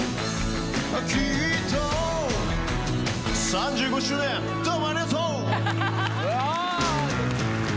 ３５周年どうもありがとう！